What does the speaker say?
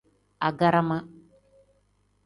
Agarama.